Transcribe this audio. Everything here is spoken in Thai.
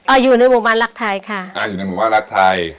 อยู่ในหมู่บ้านรักไทยค่ะอ่าอยู่ในหมู่บ้านรักไทย